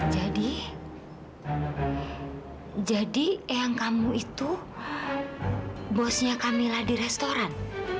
jadi jadi eyang kamu itu bosnya kamila di restoran